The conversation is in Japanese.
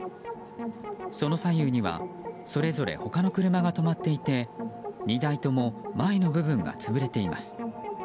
その左右にはそれぞれ他の車が止まっていて２台とも前の部分が潰れています。